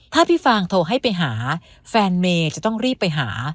ถ้าพี่ฟางโทรให้ไปหาแฟนเมย์จะต้องรีบไปหา